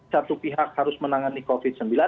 satu pihak harus menangani covid sembilan belas